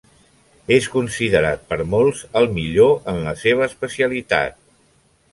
És considerat per molts el millor en la seva especialitat.